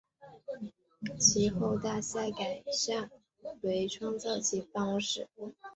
其后大厦改建为仓库及办公室。